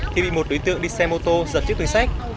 thì bị một đối tượng đi xe mô tô giật chiếc túi sách